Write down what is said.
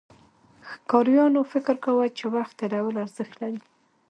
ښکاریانو فکر کاوه، چې وخت تېرول ارزښت لري.